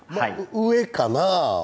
上かなあ。